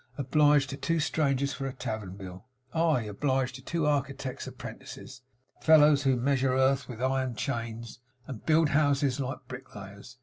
'Obliged to two strangers for a tavern bill! I obliged to two architect's apprentices. Fellows who measure earth with iron chains, and build houses like bricklayers.